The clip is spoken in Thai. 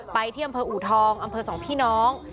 ที่อำเภออูทองอำเภอสองพี่น้อง